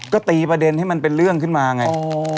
ก็ตีประเด็นให้มันเป็นเรื่องขึ้นมาไง